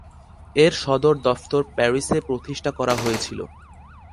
এর সদর দফতর প্যারিসে প্রতিষ্ঠা করা হয়েছিল।